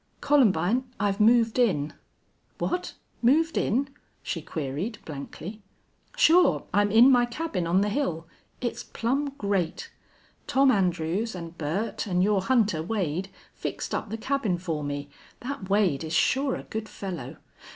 Columbine, I've moved in!" "What! Moved in?" she queried, blankly. "Sure. I'm in my cabin on the hill. It's plumb great. Tom Andrews and Bert and your hunter Wade fixed up the cabin for me. That Wade is sure a good fellow.